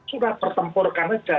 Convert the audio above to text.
sudah pertempurkan aja